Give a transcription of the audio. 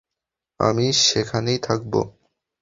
আমি সেখানেই থাকব।